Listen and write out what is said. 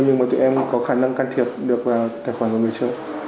nhưng mà tụi em có khả năng can thiệp được tài khoản của người chơi